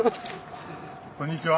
こんにちは。